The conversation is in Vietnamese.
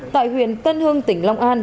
tại huyện tân hương tỉnh long an